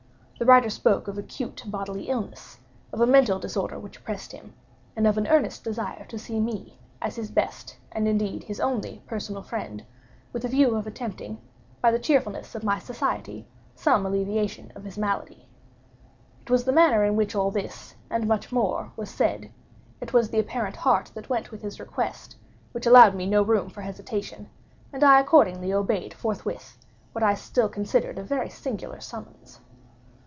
The writer spoke of acute bodily illness—of a mental disorder which oppressed him—and of an earnest desire to see me, as his best, and indeed his only personal friend, with a view of attempting, by the cheerfulness of my society, some alleviation of his malady. It was the manner in which all this, and much more, was said—it was the apparent heart that went with his request—which allowed me no room for hesitation; and I accordingly obeyed forthwith what I still considered a very singular summons.